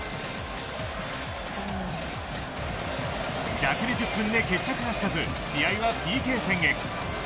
１２０分で決着がつかず試合はＰＫ戦へ。